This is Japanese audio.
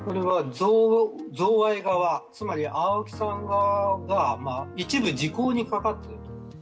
贈賄側、つまり青木さん側が一部時効にかかっている。